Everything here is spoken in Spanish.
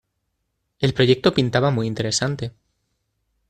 El proyecto pintaba muy interesante.